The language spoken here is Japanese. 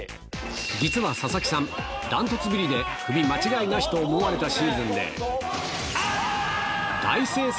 実は佐々木さん、断トツビリでクビ間違いなしと思われたシーズンで、大精算